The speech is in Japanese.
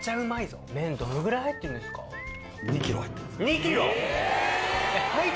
２ｋｇ？